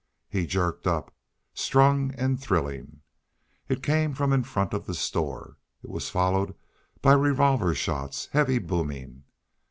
He jerked up, strung and thrilling. It came from in front of the store. It was followed by revolver shots, heavy, booming.